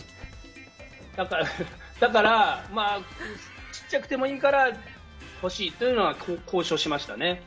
だから、ちっちゃくてもいいから欲しいというのは交渉しましたね。